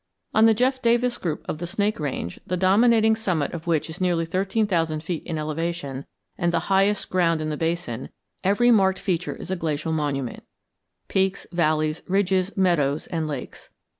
On the Jeff Davis group of the Snake Range, the dominating summit of which is nearly thirteen thousand feet in elevation, and the highest ground in the basin, every marked feature is a glacier monument—peaks, valleys, ridges, meadows, and lakes.